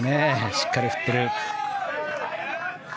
しっかり振ってる。